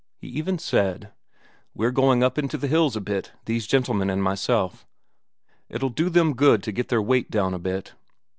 He even said: "We're going up into the hills a bit, these gentlemen and myself it'll do them good to get their weight down a bit."